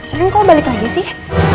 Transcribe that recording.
master eng kau balik lagi sih